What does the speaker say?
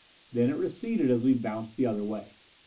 Then it receded as we bounced the other way.